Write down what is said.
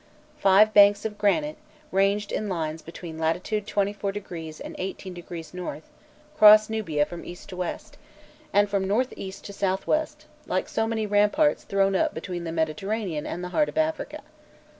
Five banks of granite, ranged in lines between latitude 24° and 18° N., cross Nubia from east to west, and from north east to south west, like so many ramparts thrown up between the Mediterranean and the heart of Africa.